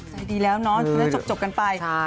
ใจดีแล้วนะเรื่องจบกันไป